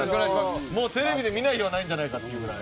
もうテレビで見ない日はないんじゃないかっていうぐらい。